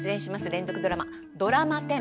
連続ドラマドラマ１０